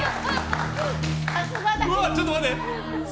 うわ、ちょっと待って！